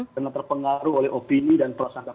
dengan terpengaruh oleh opini dan perasaan